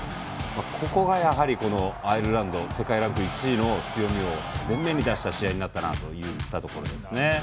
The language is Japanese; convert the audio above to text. ここがやはりアイルランド世界ランキング１位の強みを前面に出した試合になったなといったところですね。